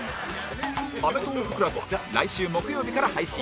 アメトーーク ＣＬＵＢ は来週木曜日から配信